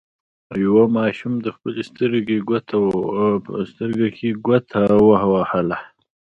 یوه ماشوم د خپلې سترګې ګوته ووهله.